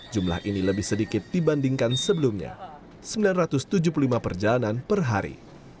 jumlah ini lebih sedikit dibandingkan sebelumnya sembilan ratus tujuh puluh lima perjalanan per hari